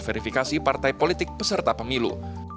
verifikasi partai politik peserta pemilu